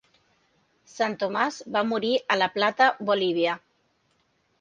Sant Tomàs va morir a La Plata, Bolívia.